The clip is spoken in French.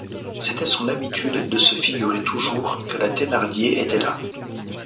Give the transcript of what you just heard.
C’était son habitude de se figurer toujours que la Thénardier était là.